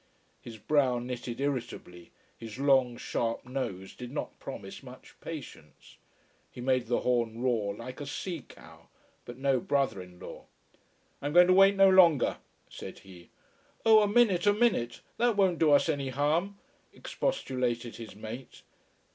His brow knitted irritably, his long, sharp nose did not promise much patience. He made the horn roar like a sea cow. But no brother in law. "I'm going to wait no longer," said he. "Oh, a minute, a minute! That won't do us any harm," expostulated his mate.